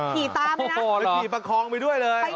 ผิดตามนะผิดประคองไปด้วยเลย